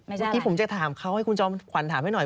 เมื่อกี้ผมจะถามเขาให้คุณจอมขวัญถามให้หน่อย